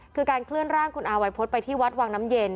คือการเคลื่อนร่างคุณอาวัยพฤษไปที่วัดวังน้ำเย็น